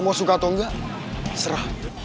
mau suka atau enggak serah